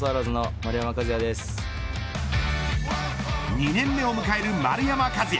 ２年目を迎える丸山和郁。